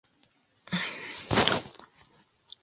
Se desempeñaba en posición de extremo derecho.